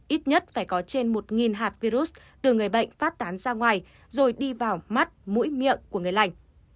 ít nhất phải có trên một hạt virus từ người bệnh phát tán ra ngoài rồi đi vào mắt mũi miệng của người lành